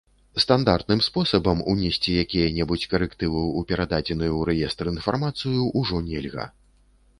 Стандартным спосабам унесці якія-небудзь карэктывы ў перададзеную ў рэестр інфармацыю ўжо нельга.